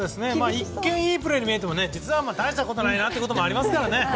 一見いいプレーに見えても実はたいしたことないなってこともありますからね。